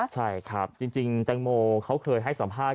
ใช่ครับจริงแตงโมเขาเคยให้สัมภาษณ